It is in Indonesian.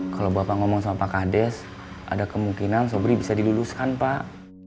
kalau bapak ngomong sama pak kades ada kemungkinan sobri bisa diluluskan pak